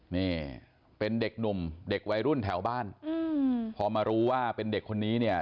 นี่เป็นเด็กหนุ่มเด็กวัยรุ่นแถวบ้านอืมพอมารู้ว่าเป็นเด็กคนนี้เนี่ย